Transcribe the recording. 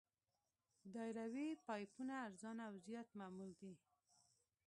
دایروي پایپونه ارزانه او زیات معمول دي